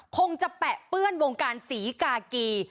คงจะแปะเปื้อนวงการศรีกากี